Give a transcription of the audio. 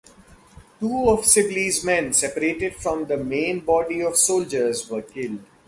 Two of Sibley's men, separated from the main body of soldiers were killed.